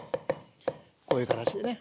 こういう形でね。